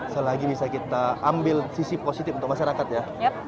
selagi bisa kita ambil sisi positif untuk masyarakat ya